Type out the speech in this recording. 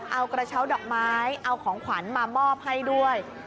เอากระเช้าดอกไม้เอาของขวัญมามอบให้ด้วย